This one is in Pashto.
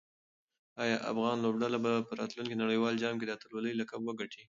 آیا افغان لوبډله به په راتلونکي نړیوال جام کې د اتلولۍ لقب وګټي؟